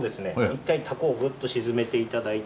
一回タコをぐっと沈めて頂いて。